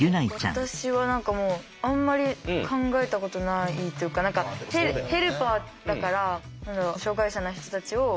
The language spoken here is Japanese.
私は何かもうあんまり考えたことないというかヘルパーだから何だろう障害者の人たちを手助けというか。